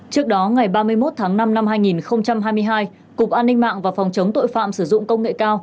trước đó ngày ba mươi một tháng năm năm hai nghìn hai mươi hai cục an ninh mạng và phòng chống tội phạm sử dụng công nghệ cao